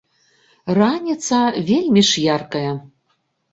Раніца вельмі ж яркая.